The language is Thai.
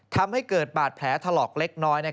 ทำให้เกิดบาดแผลถลอกเล็กน้อย